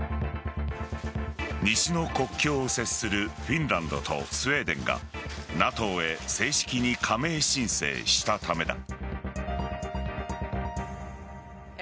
西の国境を接するフィンランドとスウェーデンがＮＡＴＯへ正式に加盟申請したためだ。